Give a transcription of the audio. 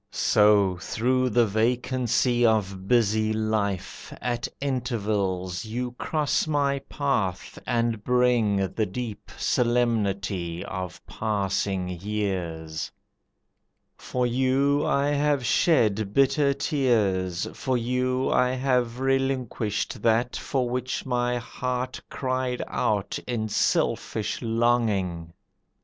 So through the vacancy of busy life At intervals you cross my path and bring The deep solemnity of passing years. For you I have shed bitter tears, for you I have relinquished that for which my heart Cried out in selfish longing.